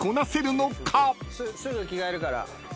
すぐ着替えるから。